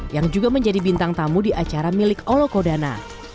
yang juga menjadi bintang tamu di acara milik olokodana